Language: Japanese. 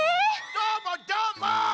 どーもどーもっ！